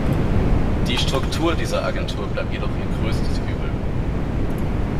Die Struktur dieser Agentur bleibt jedoch ihr größtes Übel.